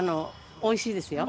おいしいですよ。